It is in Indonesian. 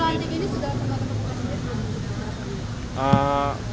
dari lantik ini sudah pernah ke tuasnya